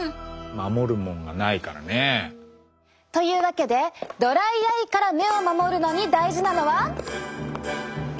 守るもんがないからね。というわけでドライアイから目を守るのに大事なのは。